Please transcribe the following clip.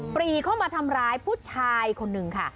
ปรีเข้ามาทำร้ายผู้ชายคนหนึ่งค่ะ